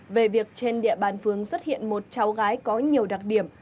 về việc trên địa bàn phường xuất hiện một cháu gái có nhiều đặc điểm